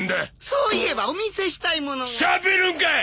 そういえばお見せしたいモノがしゃべるんかい！